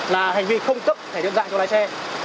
là hành vi không cấp thẻ nhận dạng cho lái xe